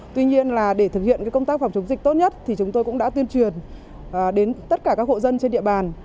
tuy nhiên là để thực hiện công tác phòng chống dịch tốt nhất thì chúng tôi cũng đã tuyên truyền đến tất cả các hộ dân trên địa bàn